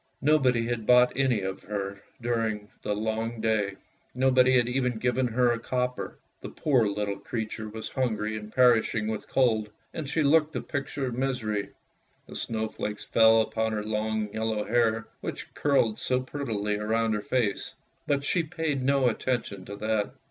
Nobody had bought any of her during all the long day; nobody had even given her a copper. The poor little creature was hungry and perishing with cold, and she looked the picture of misery. The snowflakes fell upon her long yellow hair, which curled so prettily round her face, but she paid no attention to that.